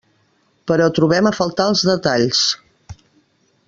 Però trobem a faltar els detalls.